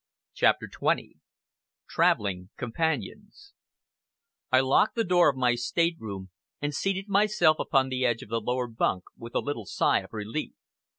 CHAPTER XX TRAVELLING COMPANIONS I locked the door of my state room, and seated myself upon the edge of the lower bunk with a little sigh of relief.